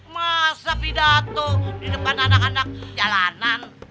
masa tidak tuh di depan anak anak jalanan